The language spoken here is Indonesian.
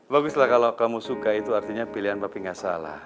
bagus lah kalo kamu suka itu artinya pilihan papi gak salah